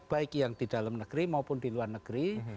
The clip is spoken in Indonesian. baik yang di dalam negeri maupun di luar negeri